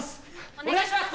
お願いします！